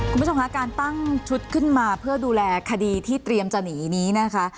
คุณผู้ชมคะการตั้งชุดขึ้นมาเพื่อดูแลคดีที่เตรียมจะหนีนี้นะคะ